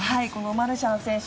マルシャン選手